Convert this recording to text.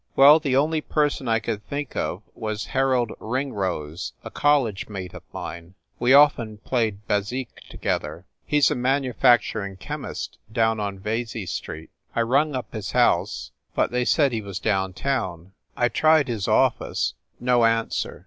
"Well, the only person I could think of was Har old Ringrose, a college mate of mine. We often played bezique together. He s a manufacturing chemist, down on Vesey Street. I rung up his house, but they said he was down town. I tried his office ; no answer.